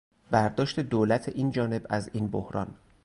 برداشت دولت اینجانب از این بحران